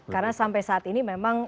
karena sampai saat ini memang